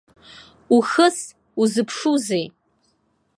Ухыс, узыԥшузеи!